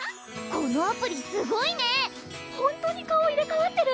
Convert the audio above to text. このアプリすごいねホントに顔入れ替わってる！